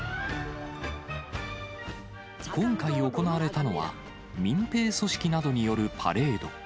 今回、行われたのは民兵組織などによるパレード。